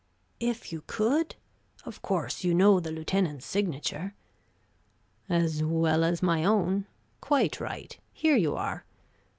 "If you could? Of course, you know the lieutenant's signature?" "As well as my own. Quite right. Here you are.